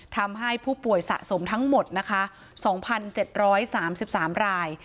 ทำให้ผู้ป่วยสะสมทั้งหมดนะคะ๒๗๓๓ราย